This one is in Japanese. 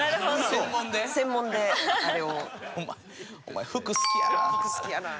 お前服好きやな。